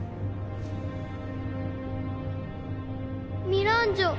ミランジョ。